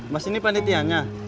mas ini panitiannya